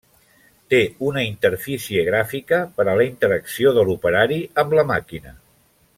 Té una interfície gràfica per a la interacció de l'operari amb la màquina.